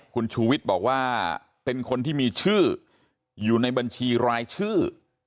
คุณชูวิทย์บอกว่าเป็นคนที่มีชื่ออยู่ในบัญชีรายชื่อ